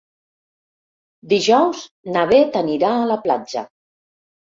Dijous na Bet anirà a la platja.